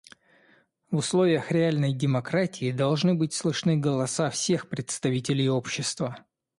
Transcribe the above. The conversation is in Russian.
В условиях реальной демократии должны быть слышны голоса всех представителей общества.